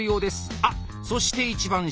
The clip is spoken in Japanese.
あっそして一番下。